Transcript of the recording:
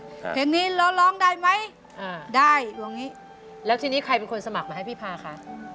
เพลงนี้แล้วร้องได้ไหมอ่าได้วงนี้แล้วทีนี้ใครเป็นคนสมัครมาให้พี่พาคะ